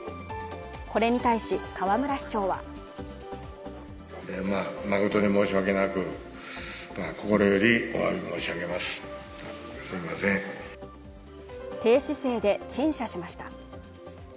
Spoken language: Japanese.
これに対し、河村市長は低姿勢で陳謝しました。